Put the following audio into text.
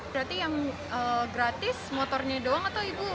berarti yang gratis motornya doang atau ibu